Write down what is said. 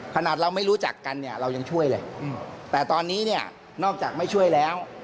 ขนาดเราไม่รู้จักกันเรายังช่วยเลย